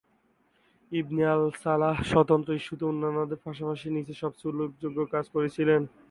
ইবনে al Salah স্বতন্ত্র ইস্যুতে অন্যান্যদের পাশাপাশি নীচে সবচেয়ে উল্লেখযোগ্য কাজ করেছিলেন।